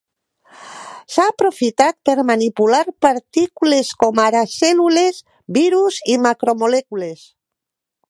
S'ha aprofitat per manipular partícules com ara cèl·lules, virus i macromolècules.